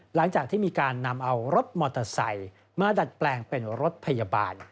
หลังจากที่มีการนำเอารถมอเตอร์ไซค์มาดัดแปลงเป็นรถพยาบาล